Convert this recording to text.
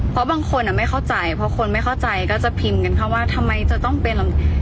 เพราะบางคนไม่เข้าใจเพราะคนไม่เข้าใจก็จะพิมพ์กันเข้าว่าทำไมจะต้องเป็น